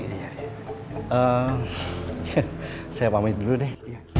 saya pamit dulu deh